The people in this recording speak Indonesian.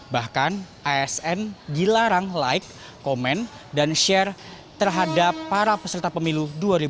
bahkan asn dilarang like komen dan share terhadap para peserta pemilu dua ribu dua puluh